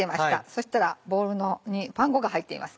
そしたらボウルにパン粉が入っています。